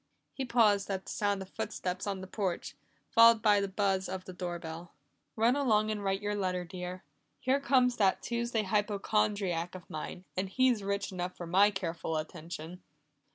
He paused at the sound of footsteps on the porch, followed by the buzz of the doorbell. "Run along and write your letter, dear here comes that Tuesday hypochondriac of mine, and he's rich enough for my careful attention."